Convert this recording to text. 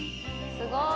すごい。